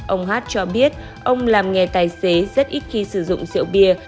ông hát cho biết ông làm nghề tài xế rất ít khi sử dụng rượu bia